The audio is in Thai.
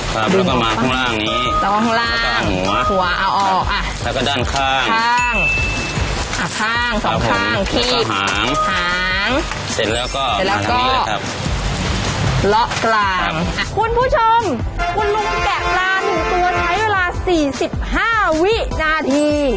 คุณผู้ชมคุณลุงแกะลา๑ตัวใช้เวลา๔๕วินาที